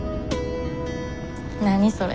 何それ。